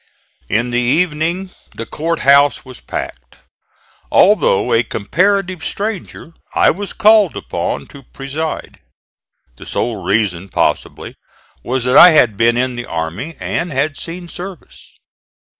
In the evening the court house was packed. Although a comparative stranger I was called upon to preside; the sole reason, possibly, was that I had been in the army and had seen service.